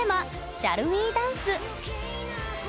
「シャル・ウィ・ダンス？」。